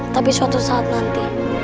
tapi suatu saat nanti